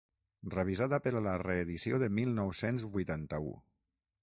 Revisada per a la reedició de mil nou-cents vuitanta-u.